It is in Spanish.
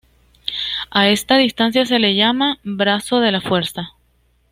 A esta distancia se le llama brazo de la fuerza.